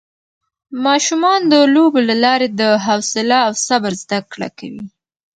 ماشومان د لوبو له لارې د حوصله او صبر زده کړه کوي